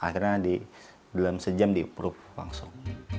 jadi dalam sejam di proof langsung